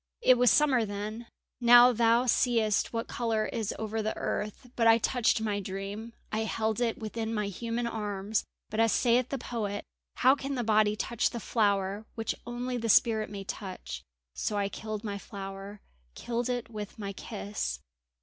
"It was summer then; now thou seest what colour is over the earth. But I touched my dream; I held it within my human arms; but as sayeth the poet: 'How can the body touch the flower which only the spirit may touch,' so I killed my flower, killed it with my kiss."